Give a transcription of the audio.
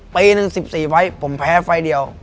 ปีหนึ่ง๑๔ไฟล์ผมแพ้ไฟล์เดียว